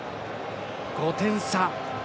５点差。